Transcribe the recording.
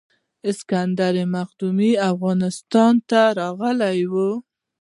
اسکندر مقدوني افغانستان ته راغلی و